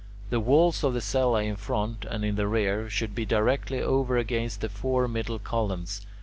The walls of the cella in front and in the rear should be directly over against the four middle columns.